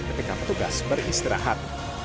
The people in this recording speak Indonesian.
ketika petugas beristirahat